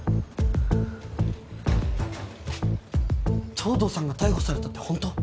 藤堂さんが逮捕されたってホント？